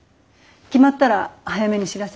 決まったら早めに知らせてね。